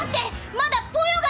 まだポヨが！